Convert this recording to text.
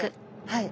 はい。